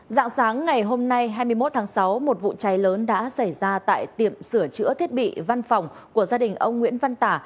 dạng sáng ngày hôm nay hai mươi một tháng sáu một vụ cháy lớn đã xảy ra tại tiệm sửa chữa thiết bị văn phòng của gia đình ông nguyễn văn tả